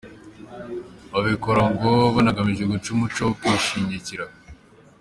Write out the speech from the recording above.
Babikora ngo banagamije guca umuco wo kwishyingira .